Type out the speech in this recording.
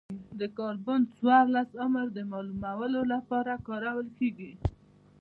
د کاربن څورلس عمر معلومولو لپاره کارول کېږي.